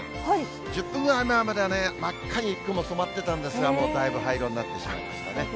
１０分ぐらい前までは真っ赤に雲染まってたんですが、もうだいぶ灰色になってしまいましたね。